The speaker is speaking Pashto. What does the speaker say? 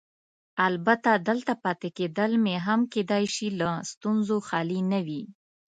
البته دلته پاتې کېدل مې هم کیدای شي له ستونزو خالي نه وي.